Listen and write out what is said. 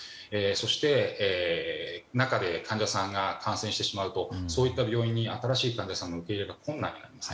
そして、中で患者さんが感染してしまうとそういった病院に新しい患者さんの受け入れが困難になります。